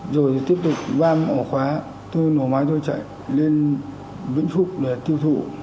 rồi tiếp tục vam ổ khóa tôi nổ máy thôi chạy lên vĩnh phúc để tiêu thụ